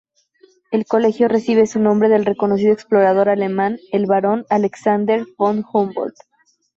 El colegio recibe su nombre del reconocido explorador alemán el barón Alexander von Humboldt.